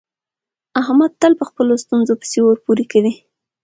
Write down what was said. احمد تل په خپلو ستونزو پسې اور پورې کوي.